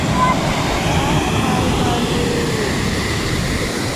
په هر پل باندې یې